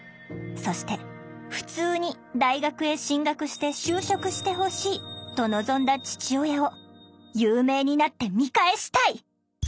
そして「ふつうに大学へ進学して就職してほしい」と望んだ父親を有名になって見返したい！